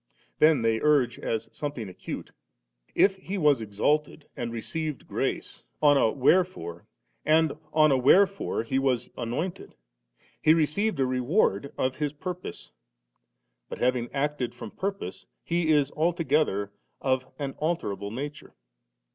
* Then they urge, as something acute: *If He was exalted and received grace, on a 'wherefore,' and on a 'wherefore' He was anointed, He received a reward of His purpose ; but hav ing acted from purpose. He is altogether of an alterable nature.'